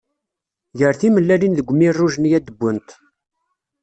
Ger timellalin deg mirruj-nni ad d-wwent.